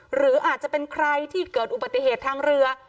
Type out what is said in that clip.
หรืออาจจะเป็นใครที่เกิดอุบัติเหตุทางเรือ